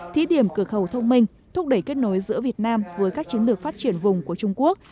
thí điểm cửa khẩu thông minh thúc đẩy kết nối giữa việt nam với các chiến lược phát triển vùng của trung quốc